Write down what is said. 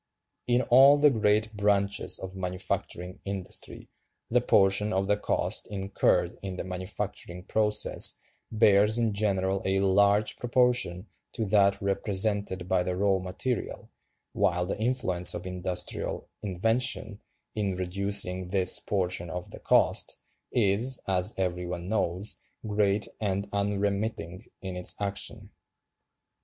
In all the great branches of manufacturing industry the portion of the cost incurred in the manufacturing process bears in general a large proportion to that represented by the raw material, while the influence of industrial invention, in reducing this portion of the cost, is, as every one knows, great and unremitting in its action."